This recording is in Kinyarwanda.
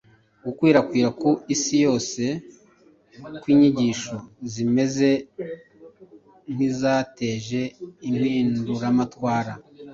gukwirakwira ku isi yose kw’inyigisho zimeze nk’izateje impinduramatwara